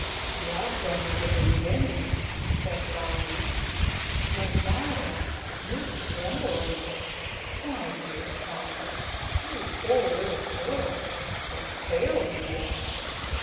"That's only the beginning," said Bobbie. "But Maya, you're trembling. My dear child, you poor little girl, how pale you are!